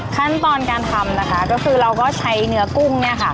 ขั้นตอนการทำนะคะก็คือเราก็ใช้เนื้อกุ้งเนี่ยค่ะ